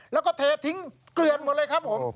แล้วก็เททิ้งเกลือนหมดเลยครับผม